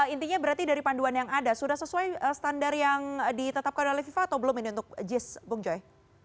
intinya berarti dari panduan yang ada sudah sesuai standar yang ditetapkan oleh fifa atau belum ini untuk jis bung joy